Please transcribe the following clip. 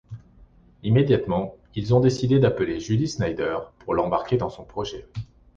Immédiatement, ils ont décidé d'appeler Julie Snyder pour l'embarquer dans son projet.